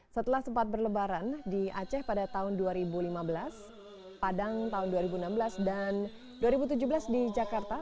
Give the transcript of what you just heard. setelah sempat berlebaran di aceh pada tahun dua ribu lima belas padang tahun dua ribu enam belas dan dua ribu tujuh belas di jakarta